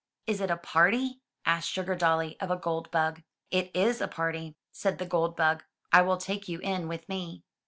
*'Is it a party?'' asked SugardoUy of a gold bug. "It is a party," said the gold bug. I will take you in with me.